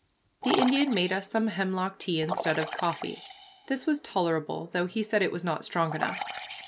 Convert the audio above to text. The Indian made us some hemlock tea instead of coffee. This was tolerable, though he said it was not strong enough.